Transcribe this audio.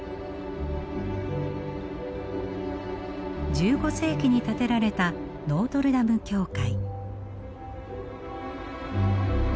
１５世紀に建てられたノートルダム教会。